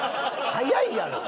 早いやろ。